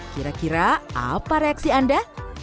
kira kira apa reaksi anda